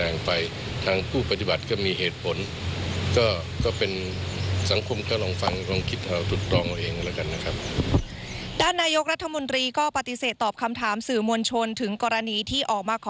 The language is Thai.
ในการปฏิบัติหน้าที่ของนายกรัฐมนตรี